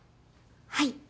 はい。